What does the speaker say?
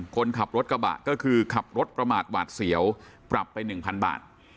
คนขับรถกระบะก็คือขับรถประมาทหวาดเสียวปรับไป๑๐๐บาท